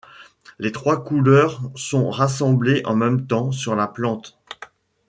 Les trois couleurs sont rassemblées en même temps sur la plante.